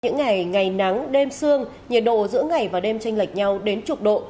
những ngày ngày nắng đêm sương nhiệt độ giữa ngày và đêm tranh lệch nhau đến chục độ